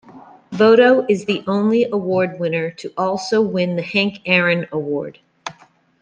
Votto is the only award winner to also win the Hank Aaron Award.